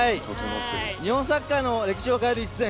日本サッカーの歴史を変える一戦。